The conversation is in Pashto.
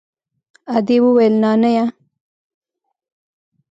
ادې وويل نانيه.